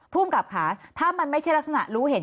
ภูมิกับค่ะถ้ามันไม่ใช่ลักษณะรู้เห็น